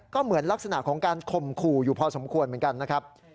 ก็เหมือนลักษณะของการข่มขู่อยู่พอสมควรเหมือนกันนะครับ